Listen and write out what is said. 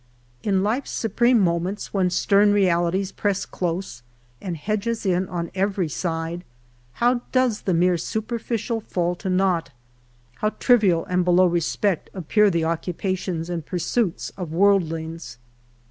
In life's supreme moments, when stern realities press close and hedge us in on every side, how does the mere superficial fall to naught ! How trivial and below respect appear the occupations and pursuits of worldlings